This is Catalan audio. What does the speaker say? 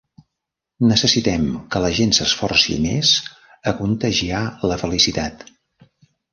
Necessitem que la gent s'esforci més a contagiar la felicitat.